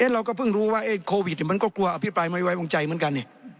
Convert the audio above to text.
เราก็พึ่งรู้ว่าโควิดมันก็กลัวอะพีปรายมือยวายวงใจเหมือนกัน